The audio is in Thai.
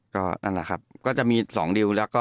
ก็นั่นแหละครับก็จะมี๒ดิวแล้วก็